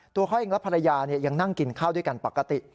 ตัวเขาเองและภรรยายังนั่งกินข้าวด้วยกันปกติ